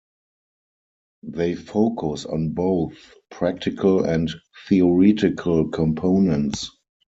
They focus on both "Practical" and "Theoretical" components.